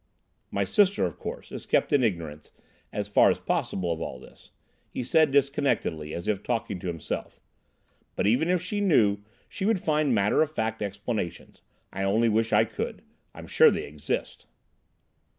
"My sister, of course, is kept in ignorance, as far as possible, of all this," he said disconnectedly, and as if talking to himself. "But even if she knew she would find matter of fact explanations. I only wish I could. I'm sure they exist."